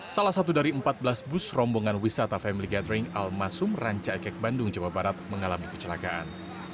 salah satu dari empat belas bus rombongan wisata family gathering al masum ranca ekek bandung jawa barat mengalami kecelakaan